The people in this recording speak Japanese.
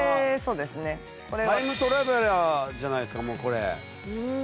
タイムトラベラーじゃないですかもうこれ。